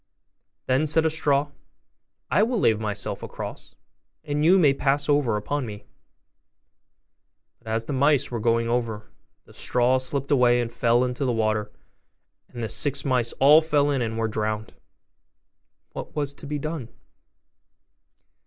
Then said a straw, 'I will lay myself across, and you may pass over upon me.' But as the mice were going over, the straw slipped away and fell into the water, and the six mice all fell in and were drowned. What was to be done?